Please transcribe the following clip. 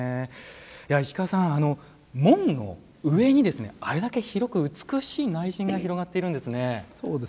石川さん、門の上にあれだけ広く美しい内陣が広がっているんですね。